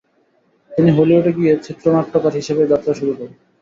তিনি হলিউডে গিয়ে চিত্রনাট্যকার হিসেবে যাত্রা শুরু করেন।